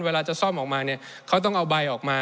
เวลาจะซ่อมออกมาเนี่ยเขาต้องเอาใบออกมา